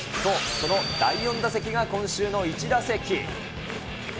その第４打席が、今週のイチ打席。